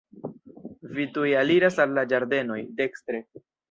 Vi tuj aliras al la ĝardenoj, dekstre.